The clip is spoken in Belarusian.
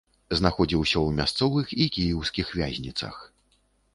Знаходзіўся ў мясцовых і кіеўскіх вязніцах.